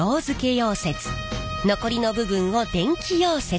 残りの部分を電気溶接。